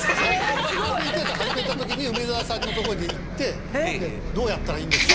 コメンテーター始めた時に梅沢さんのとこに行ってどうやったらいいんですか？